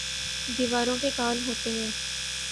دیواروں کے کان ہوتے ہیں